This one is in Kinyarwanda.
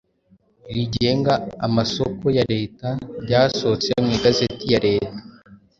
rigenga amasoko ya Leta, ryasohotse mu igazeti ya Leta